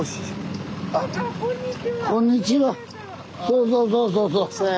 そうそうそうそうそう。